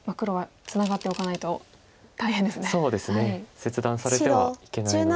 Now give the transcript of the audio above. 切断されてはいけないので。